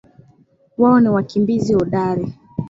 Wao ni wakimbizi hodari